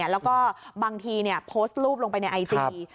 แล้วก็บางทีโพสต์รูปลงไปในไอจี